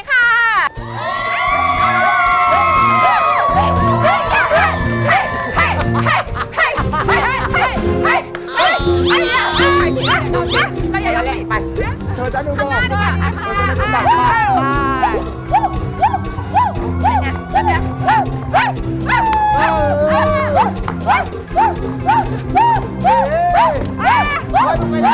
กลับมาก่อน